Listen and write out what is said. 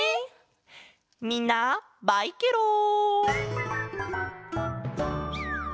みんなバイケロン！